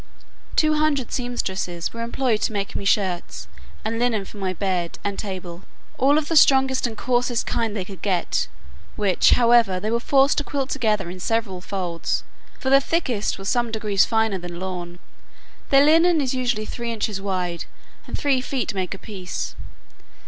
Two hundred sempstresses were employed to make me shirts, and linen for my bed and table, all of the strongest and coarsest kind they could get; which, however, they were forced to quilt together in several folds, for the thickest was some degrees finer than lawn. Their linen is usually three inches wide, and three feet make a piece.